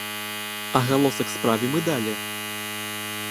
Агалосак справе мы далі.